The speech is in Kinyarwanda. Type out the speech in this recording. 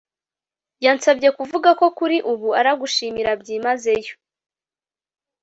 yansabye kuvuga ko kuri ubu aragushimira byimazeyo